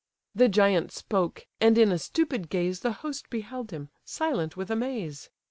The giant spoke; and in a stupid gaze The host beheld him, silent with amaze!